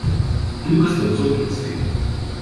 Du bist unsere Glücksfee.